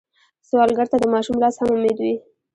سوالګر ته د ماشوم لاس هم امید وي